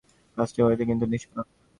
কাজটা গর্হিত কিন্তু নিষ্পাপ।